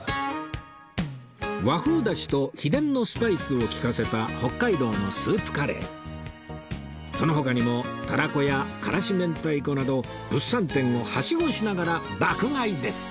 和風だしと秘伝のスパイスを利かせた北海道のスープカレーその他にもたらこやからし明太子など物産店をはしごしながら爆買いです